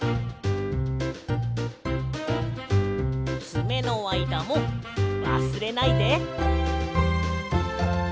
つめのあいだもわすれないで！